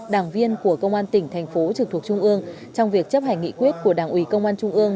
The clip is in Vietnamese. đảng viên của công an tỉnh thành phố trực thuộc trung ương trong việc chấp hành nghị quyết của đảng ủy công an trung ương